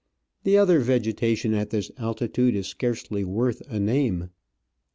The other vegetation at this altitude is scarcely worth a name.